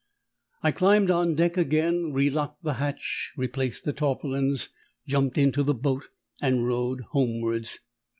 I climbed on deck again, relocked the hatch, replaced the tarpaulins, jumped into the boat and rowed homewards.